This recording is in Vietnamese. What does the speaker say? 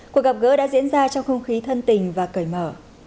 cuộc gặp gỡ đã diễn ra trong không khí thân tình và cởi mở